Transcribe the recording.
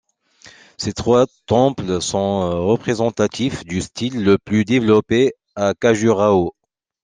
Ces trois temples sont représentatifs du style le plus développé à Khajurâho.